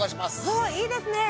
おっいいですね。